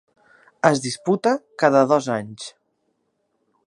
Es disputa cada dos anys.